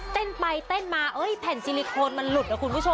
เต้นไปเต้นมาแผ่นซิลิโคนมันหลุดนะคุณผู้ชม